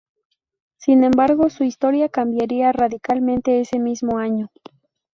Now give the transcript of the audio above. Sin embargo, su historia cambiaría radicalmente ese mismo año.